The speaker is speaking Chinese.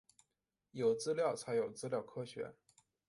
有资料才有资料科学